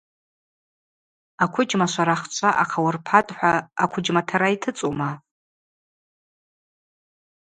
Аквыджьма шварахчва ахъауырпатӏхӏва аквыджьматара йтыцӏума?